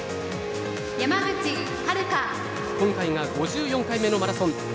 今回が５４回目のマラソン。